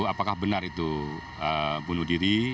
apakah benar itu bunuh diri